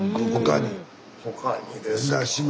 他にですか？